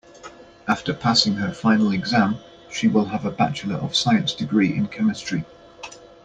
After passing her final exam she will have a bachelor of science degree in chemistry.